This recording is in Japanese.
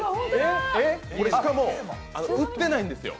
しかも売ってないんですよ。